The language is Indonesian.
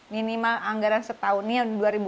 minimal anggaran setahunnya